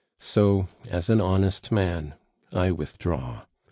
So, as an honest man I withdraw.